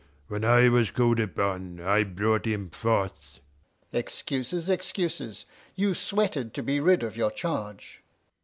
When I was called upon I brought him forth." "Excuses! excuses! You sweated to be rid of your charge."